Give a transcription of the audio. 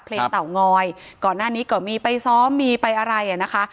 เตางอยก่อนหน้านี้ก็มีไปซ้อมมีไปอะไรอ่ะนะคะ